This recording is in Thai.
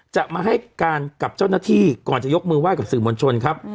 จะมาให้การกับเจ้าหน้าที่ก่อนจะยกมือไห้กับสื่อมวลชนครับ